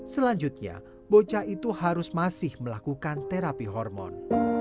selanjutnya bocah itu harus masih melakukan terapi hormon